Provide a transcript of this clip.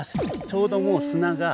ちょうどもう砂が。